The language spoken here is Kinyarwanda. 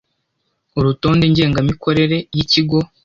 urutonde ngengamikorere y’ikigo